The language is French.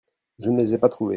Je ne les ai pas trouvés.